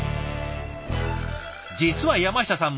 実は山下さん